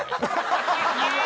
ハハハハ！